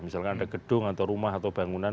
misalkan ada gedung atau rumah atau bangunan